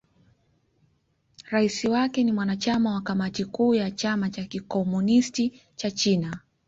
Rais wake ni mwanachama wa Kamati Kuu ya Chama cha Kikomunisti cha China.